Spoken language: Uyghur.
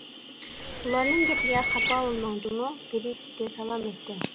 ئۇلارنىڭ گېپىگە خاپا بولماڭ جۇمۇ، بىرى سىزگە سالام ئېيتتى.